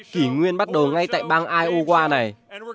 kỷ nguyên bắt đầu ngay tại bang iowa này